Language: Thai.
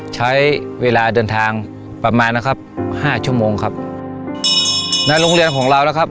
ใช้เวลาเดินทางประมาณนะครับห้าชั่วโมงครับในโรงเรียนของเรานะครับ